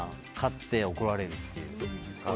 買って、怒られるっていう。